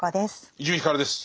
伊集院光です。